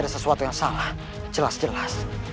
ada sesuatu yang salah jelas jelas